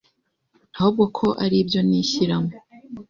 ahubwo ko ari ibyo nishyiramo.